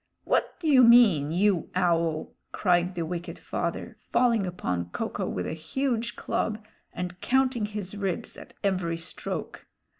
"What do you mean, you Owl?" cried the wicked father, falling upon Ko ko with a huge club, and counting his ribs at every stroke.